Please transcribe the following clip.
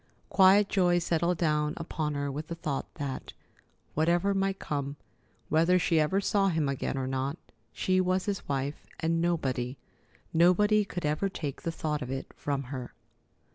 Quiet joy settled down upon her with the thought that, whatever might come, whether she ever saw him again or not, she was his wife, and nobody, nobody could ever take the thought of it from her.